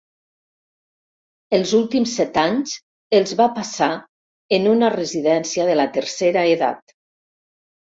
Els últims set anys els va passar en una residència de la tercera edat.